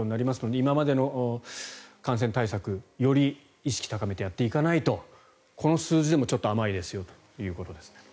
今までの感染対策より意識高めてやっていかないとこの数字でもちょっと甘いですよということです。